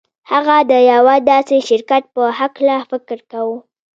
هغه د يوه داسې شرکت په هکله فکر کاوه.